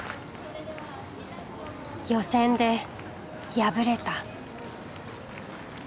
予選で敗れた。